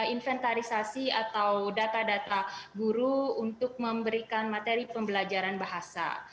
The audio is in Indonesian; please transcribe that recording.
inventarisasi atau data data guru untuk memberikan materi pembelajaran bahasa